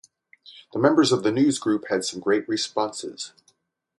The members of the newsgroup had some great responses.